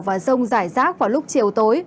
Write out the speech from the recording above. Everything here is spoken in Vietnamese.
và rông giải rác vào lúc chiều tối